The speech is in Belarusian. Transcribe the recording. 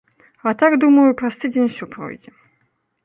А так, думаю, праз тыдзень усё пройдзе.